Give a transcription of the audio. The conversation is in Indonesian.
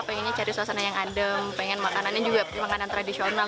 pengennya cari suasana yang adem pengen makanannya juga makanan tradisional